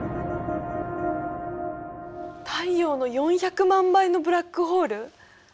太陽の４００万倍のブラックホール。